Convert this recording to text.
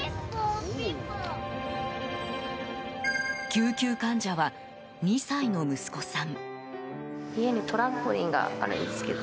救急患者は２歳の息子さん。